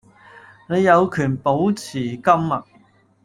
你有權保持緘默